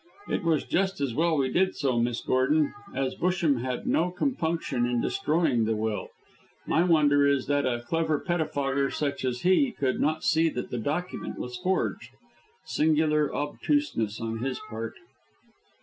It was just as well we did so, Miss Gordon, as Busham had no compunction in destroying the will. My wonder is that a clever pettifogger such as he is could not see that the document was forged. Singular obtuseness on his part."